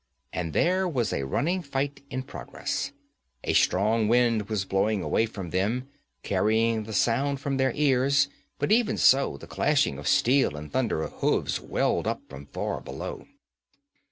And there was a running fight in progress. A strong wind was blowing away from them, carrying the sound from their ears, but even so the clashing of steel and thunder of hoofs welled up from far below.